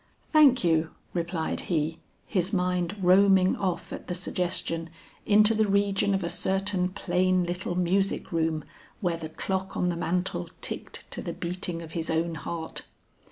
"Thank you," replied he, his mind roaming off at the suggestion, into the region of a certain plain little music room where the clock on the mantel ticked to the beating of his own heart.